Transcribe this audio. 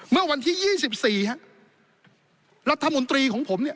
เมื่อวันที่๒๔ฮะรัฐมนตรีของผมเนี่ย